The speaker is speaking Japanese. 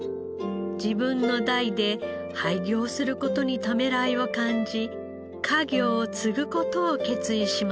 自分の代で廃業する事にためらいを感じ家業を継ぐ事を決意します。